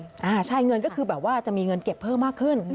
อเรนนี่ใช่เงินก็คือจะมีเงินเก็บเพิ่มมากขึ้น